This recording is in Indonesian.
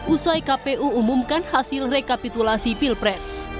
usai kpu umumkan hasil rekapitulasi pilpres